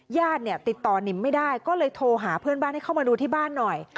ญาติเนี่ยติดต่อนิมไม่ได้ก็เลยโทรหาเพื่อนบ้านให้เข้ามาดูที่บ้านหน่อย